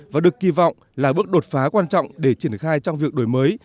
và được kỳ vọng là bước đột phá quan trọng để triển khai trong việc đổi mới